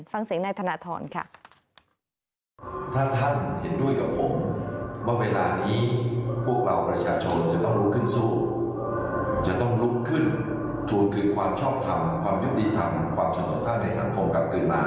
ฟังเสียงนายธนทรค่ะ